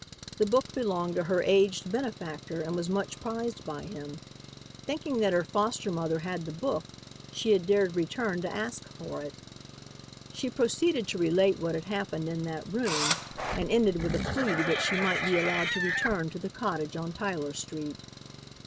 The book belonged to her aged benefactor and was much prized by him. Thinking that her foster mother had the book, she had dared return to ask for it. She proceeded to relate what had happened in that room and ended with a plea that she might be allowed to return to the cottage on Tyler street.